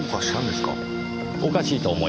おかしいと思いませんか？